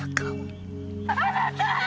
あなたー！